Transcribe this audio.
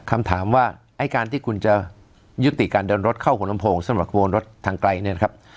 คำถามว่าไอ้การที่คุณจะยุติการเดินรถเข้าขนมโพงสมบัติของรถทางไกลเนี้ยนะครับ